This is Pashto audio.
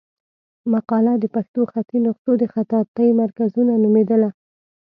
مقاله د پښتو خطي نسخو د خطاطۍ مرکزونه نومېدله.